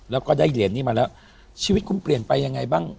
แล้วก็ได้เหรียญนี้มาแล้วชีวิตคุณเปลี่ยนไปยังไงบ้าง